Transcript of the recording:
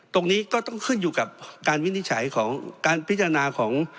ตรงนี้ก็ต้องขึ้นอยู่กับการวินิจฉัยของการพิจารณาของ